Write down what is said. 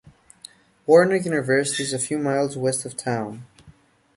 Warner University is a few miles west of town.